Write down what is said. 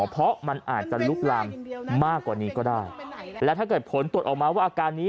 เพราะมันอาจจะลุกลามมากกว่านี้ก็ได้และถ้าเกิดผลตรวจออกมาว่าอาการนี้